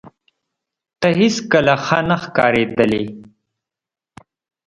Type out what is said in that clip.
ته هیڅکله ښه نه ښکارېدلې